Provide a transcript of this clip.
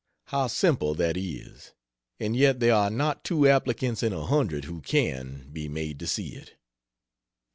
How simple that is; and yet there are not two applicants in a hundred who can, be made to see it.